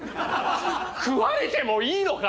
食われてもいいのか？